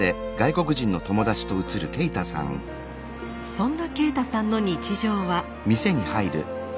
そんな啓太さんの日常は。